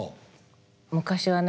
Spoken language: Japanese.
昔はね